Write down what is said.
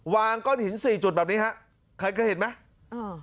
วางก้อนหินสี่จุดแบบนี้ฮะใครเคยเห็นไหมเออ